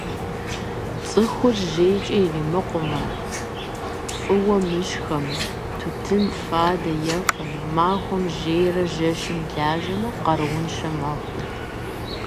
Цӏыхур жейкӀэ иримыкъумэ, фӏыуэ мышхэмэ, тутын, фадэ ефэмэ, махуэм жейрэ жэщым лажьэмэ къарууншэ мэхъу.